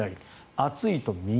暑いと右。